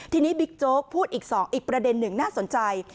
ทีนี้บิ๊กโจ๊กพูดอีก๒อีกประเด็นหนึ่งน่าสนใจ